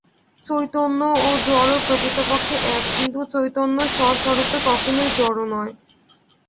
চৈতন্য ও জড় প্রকৃতপক্ষে এক, কিন্তু চৈতন্য স্ব-স্বরূপে কখনই জড় নয়।